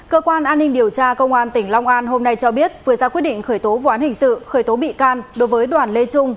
cơ quan an ninh điều tra công an tỉnh long an hôm nay cho biết vừa ra quyết định khởi tố vụ án hình sự khởi tố bị can đối với đoàn lê trung